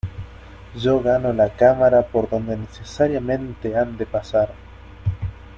yo gano la cámara por donde necesariamente han de pasar.